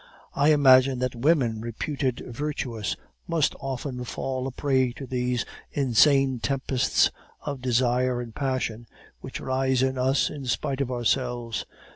I imagine that women reputed virtuous, must often fall a prey to these insane tempests of desire and passion, which rise in us in spite of ourselves.